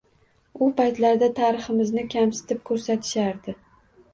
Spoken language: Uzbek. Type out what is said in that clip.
U paytlarda tariximizni kamsitib ko‘rsatishardi